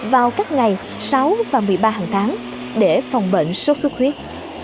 vào các ngày sáu và một mươi ba hàng tháng để phòng bệnh suốt suốt huyết